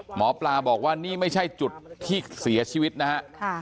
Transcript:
หมอปลาบอกว่านี่ไม่ใช่จุดที่เสียชีวิตนะฮะ